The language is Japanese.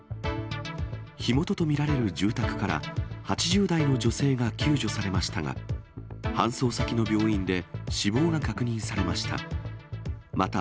火元と見られる住宅から、８０代の女性が救助されましたが、搬送先の病院で死亡が確認されました。